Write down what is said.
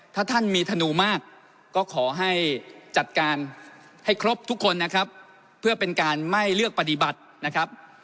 ถ้าท่านมีธนูมากก็ขอให้จัดการให้ครบทุกคนนะครับเพื่อเป็นการไม่เลือกปฏิบัตินะครับ